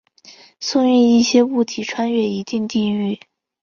运送一些物体穿越一定地域。